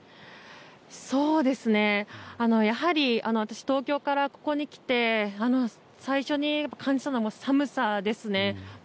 やはり私、東京からここにきて最初に感じたのは寒さですね。